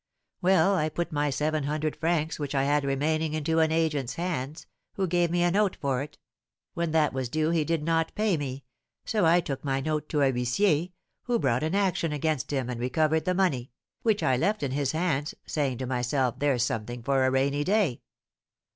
Well, I put my seven hundred francs which I had remaining into an agent's hands, who gave me a note for it; when that was due he did not pay me, so I took my note to a huissier, who brought an action against him, and recovered the money, which I left in his hands, saying to myself there's something for a rainy day.